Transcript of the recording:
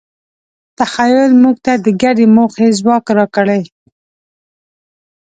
تخیل موږ ته د ګډې موخې ځواک راکړی.